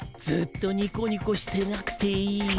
ずっとにこにこしてなくていい。